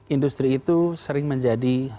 industri itu sering menjadi source of demand